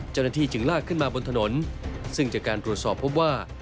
เจ้าหน้าที่จึงลากขึ้นมาบนถนนซึ่งจากการตรวจสอบพบว่า